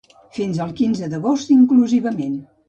Fins el quinze d'agost inclusivament.